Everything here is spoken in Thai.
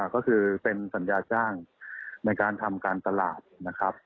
ก็คือเป็นสัญญาจ้างในการทำการตลาดนะครับ